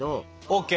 ＯＫ。